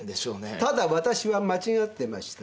ただわたしは間違ってました。